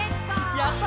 やった！